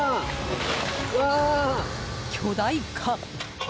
巨大化！